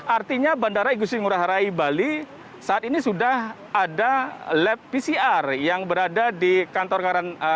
artinya bandara igusti ngurah rai bali saat ini sudah ada lab pcr yang berada di kantor karantina